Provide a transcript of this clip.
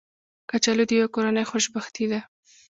کچالو د یوې کورنۍ خوشبختي ده